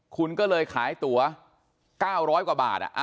คุณก็เลยขายตัว๙๐๐กว่าบาท